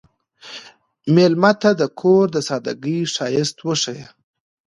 مېلمه ته د کور د سادګۍ ښایست وښیه.